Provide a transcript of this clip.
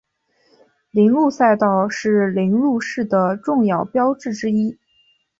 铃鹿赛道是铃鹿市的著名标志之一。